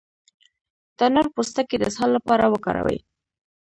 د انار پوستکی د اسهال لپاره وکاروئ